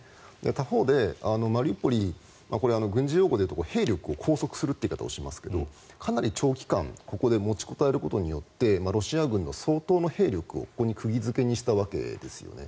他方で、マリウポリ軍事用語で兵力を拘束するといいますがかなり長期間ここで持ちこたえることによってロシア軍の相当な兵力をここに釘付けにしたわけですよね。